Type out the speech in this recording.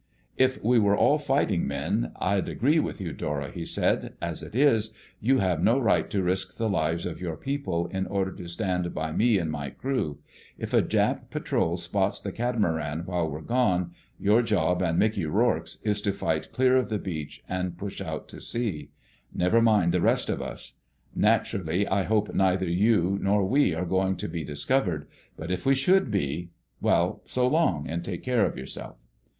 "If we were all fighting men, I'd agree with you, Dora," he said. "As it is, you have no right to risk the lives of your people in order to stand by me and my crew. If a Jap patrol spots the catamaran while we're gone, your job, and Mickey Rourke's, is to fight clear of the beach and push out to sea. Never mind the rest of us. Naturally I hope neither you nor we are going to be discovered; but if we should be—well, so long and take care of yourself!"